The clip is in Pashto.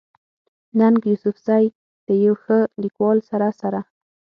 ننګ يوسفزۍ د يو ښه ليکوال سره سره